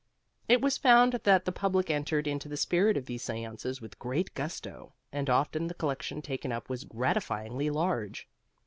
It was found that the public entered into the spirit of these seances with great gusto, and often the collection taken up was gratifyingly large.